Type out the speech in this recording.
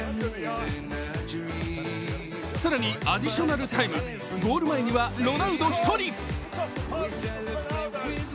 更にアディショナルタイム、ゴール前にはロナウド１人。